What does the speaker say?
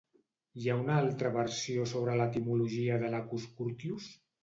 Hi ha una altra versió sobre l'etimologia de Lacus Curtius?